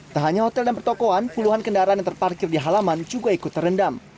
tak hanya hotel dan pertokohan puluhan kendaraan yang terparkir di halaman juga ikut terendam